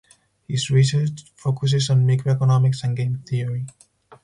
His research focuses on microeconomics and game theory.